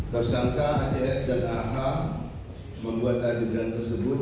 tersangka acs dan aha membuat adegan tersebut